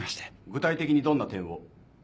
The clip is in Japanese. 具体的にどんな点を？